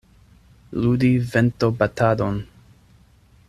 Ludi ventobatadon.